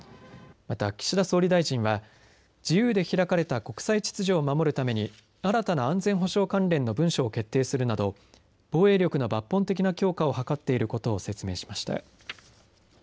また、岸田総理大臣は自由で開かれた国際秩序を守るために新たな安全保障関連の文書を決定するなど防衛力の抜本的な強化を図っていることを説明しました。